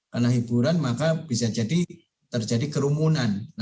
karena hiburan maka bisa terjadi kerumunan